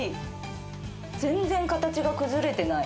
全然形が崩れてない。